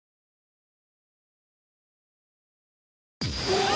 うわ！